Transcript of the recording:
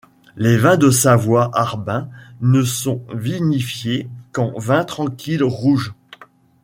Les vins de Savoie Arbin ne sont vinifiés qu'en vin tranquille rouge.